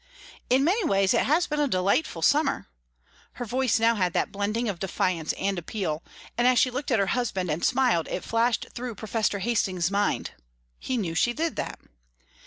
"In many ways it has been a delightful summer," her voice now had that blending of defiance and appeal, and as she looked at her husband and smiled it flashed through Professor Hastings' mind "He knew she did that!"